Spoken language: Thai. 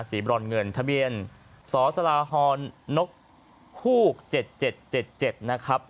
สีบรรเงินทะเบียนสศฮนกฮูกเจ็ดเจ็ดเจ็ดเจ็ดนะครับ